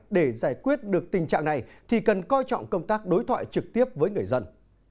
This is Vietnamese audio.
để giải quyết được tình trạng này thì cần coi trọng công tác đối thoại trực tiếp với người dân